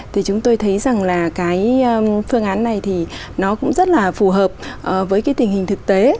thì chúng tôi thấy rằng là cái phương án này thì nó cũng rất là phù hợp với cái tình hình thực tế